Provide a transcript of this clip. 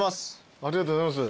ありがとうございます。